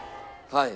はい。